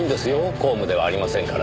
公務ではありませんから。